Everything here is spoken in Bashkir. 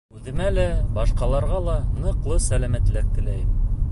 Үҙемә лә, башҡаларға ла ныҡлы сәләмәтлек теләйем.